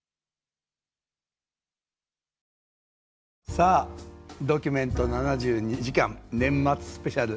さあ「ドキュメント７２時間年末スペシャル」